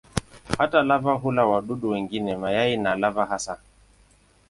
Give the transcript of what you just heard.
Hata lava hula wadudu wengine, mayai na lava hasa.